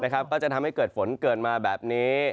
ก็จะทำให้เกิดฝนเกินมาแบบนี้